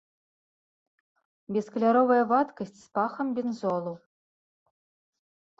Бескаляровая вадкасць з пахам бензолу.